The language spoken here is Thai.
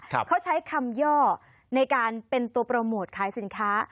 เขาใช้คำย่อในการเป็นตัวโปรโมทขายสินค้า